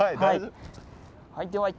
はい。